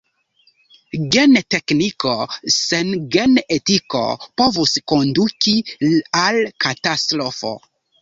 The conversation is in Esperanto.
Gen-tekniko sen gen-etiko povus konduki al katastrofo.